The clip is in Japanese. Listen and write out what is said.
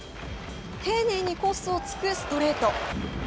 丁寧にコースを突くストレート。